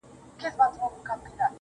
یوار مسجد ته ګورم، بیا و درمسال ته ګورم,